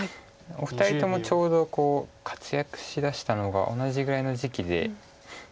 お二人ともちょうど活躍しだしたのが同じぐらいの時期で。